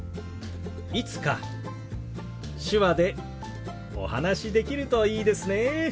いつか手話でお話しできるといいですね。